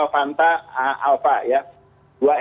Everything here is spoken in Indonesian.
panta alpha ya